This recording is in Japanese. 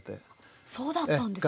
えっそうだったんですね。